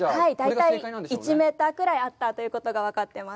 大体１メートルぐらいあったということが分かっています。